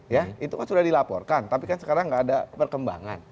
ya itu kan sudah dilaporkan tapi kan sekarang nggak ada perkembangan